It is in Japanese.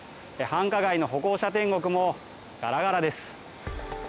繁華街の歩行者天国もガラガラです。